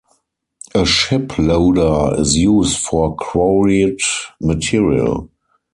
A ship loader is used for quarried material.